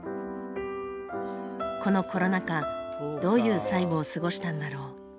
このコロナ禍どういう最後を過ごしたんだろう。